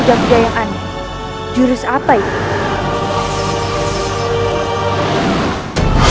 udah budaya aneh jurus apa itu